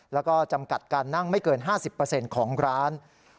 แล้วก็จำกัดการนั่งไม่เกิน๕๐ของร้าน